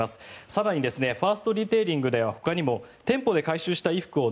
更にファーストリテイリングではほかにも店舗で回収した衣服を